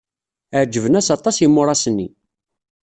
Ɛejben-as aṭas yimuras-nni.